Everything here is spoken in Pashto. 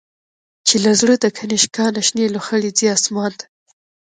چی له زړه د«کنشکا» نه، شنی لوخړی ځی آسمان ته